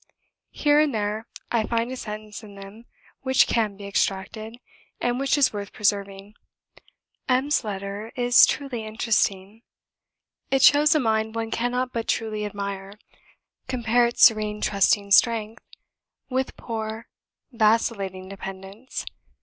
Here and there I find a sentence in them which can be extracted, and which is worth preserving. "M 's letter is very interesting; it shows a mind one cannot but truly admire. Compare its serene trusting strength, with poor 's vacillating dependence.